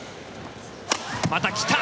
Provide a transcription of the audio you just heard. また来た。